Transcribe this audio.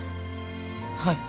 はい。